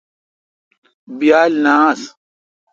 بیال نہ آس۔